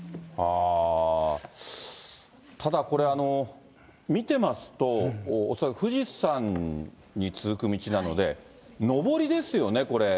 ただこれ、見てますと、恐らく富士山に続く道なので、上りですよね、これ。